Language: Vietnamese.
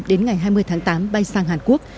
đến ngày hai mươi tháng tám bay sang hàn quốc